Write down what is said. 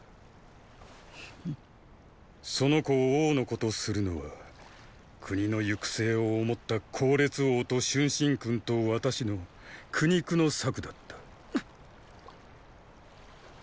その子を王の子とするのは国の行く末を思った考烈王と春申君と私の苦肉の策だった。！